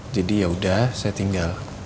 jadi yaudah saya tinggal